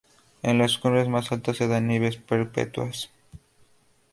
En las cumbres más altas se dan nieves perpetuas.